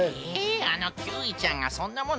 あのキーウィちゃんがそんなもの